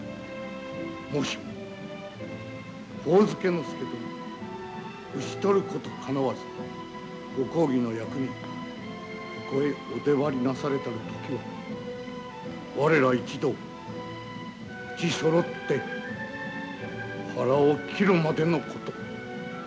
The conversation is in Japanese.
もしも上野介殿召し捕ることかなわずご公儀の役人ここへお出張りなされたる時は我ら一同うちそろって腹を切るまでのこと。